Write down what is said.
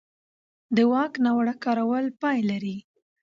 د واک ناوړه کارول پای لري